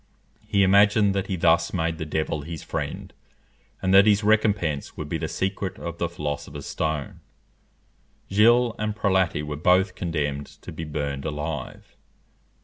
He imagined that he thus made the devil his friend, and that his recompense would be the secret of the philosopher's stone. Gilles and Prelati were both condemned to be burned alive.